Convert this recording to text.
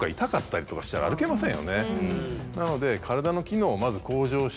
なので。